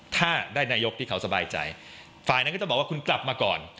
ถ้าได้นายกที่เขาสบายใจฝ่ายนั้นก็จะบอกว่าคุณกลับมาก่อน